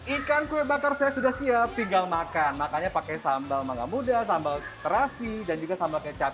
ikan kue bakar saya sudah siap tinggal makan makannya pakai sambal mangga muda sambal terasi dan juga sambal kecap